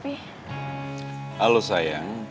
papi tahu kadaan kamu